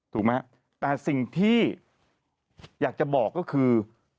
ถูกไหมแต่สิ่งที่อยากจะบอกก็คือ